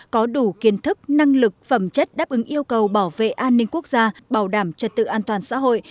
có đủ kiến thức năng lực phẩm chất đáp ứng yêu cầu bảo vệ an ninh quốc gia bảo đảm trật tự an toàn xã hội